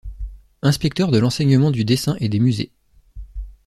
Inspecteur de l'enseignement du dessin et des musées.